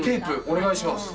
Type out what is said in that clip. お願いします。